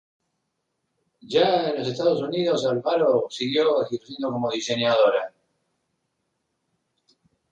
Ya en los Estados Unidos, Alfaro siguió ejerciendo como diseñadora, modelo, cantante y actriz.